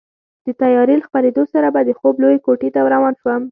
د تیارې له خپرېدو سره به د خوب لویې کوټې ته روان شوو.